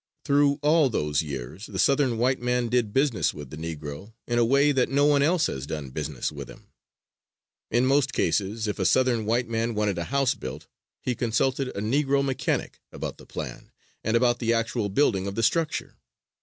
Through all those years the Southern white man did business with the Negro in a way that no one else has done business with him. In most cases if a Southern white man wanted a house built he consulted a Negro mechanic about the plan and about the actual building of the structure.